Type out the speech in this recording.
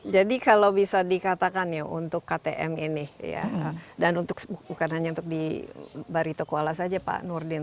jadi kalau bisa dikatakan ya untuk ktm ini dan bukan hanya untuk di baritukwala saja pak nurdin